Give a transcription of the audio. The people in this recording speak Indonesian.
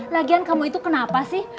lagian kamu itu kenapa sih